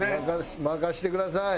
任せてください。